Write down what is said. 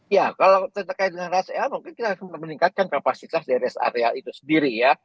ya kalau terkait dengan res area mungkin kita akan meningkatkan kapasitas dari rest area itu sendiri ya